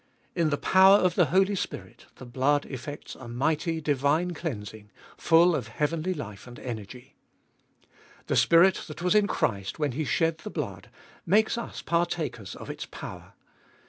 In the power of the Holy Spirit the blood effects a mighty, divine cleansing, full of heavenly life and energy. The Spirit that was in Christ, when He shed the blood, makes us partakers of its power.